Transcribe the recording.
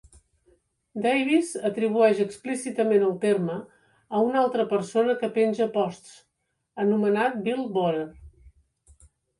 Davis atribueix explícitament el terme a un altre persona que penja posts, anomenat Bill Bohrer.